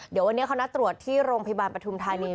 เดี๋ยววันนี้เขานัดตรวจที่โรงพยาบาลปฐุมธานี